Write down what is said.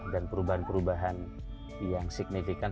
dan perubahan perubahan yang signifikan